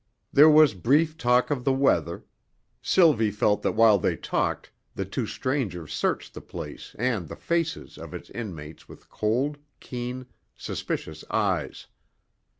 There was brief talk of the weather; Sylvie felt that while they talked, the two strangers searched the place and the faces of its inmates with cold, keen, suspicious eyes.